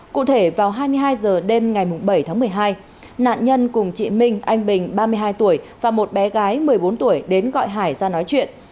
cụ thể vào hai mươi hai h đêm ngày bảy tháng một mươi hai nạn nhân cùng chị minh anh bình ba mươi hai tuổi và một bé gái một mươi bốn tuổi đến gọi hải ra nói chuyện